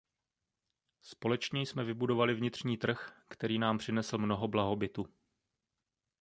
Společně jsme vybudovali vnitřní trh, který nám přinesl mnoho blahobytu.